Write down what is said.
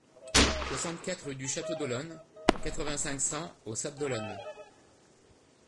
soixante-quatre route du Château d'Olonne, quatre-vingt-cinq, cent aux Sables-d'Olonne